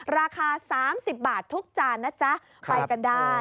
ราคา๓๐บาททุกจานนะจ๊ะไปกันได้